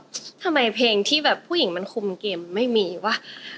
เป็นเพลงออกใหม่เพลงที่ผู้หญิงมันคุมเกมไม่มีวะ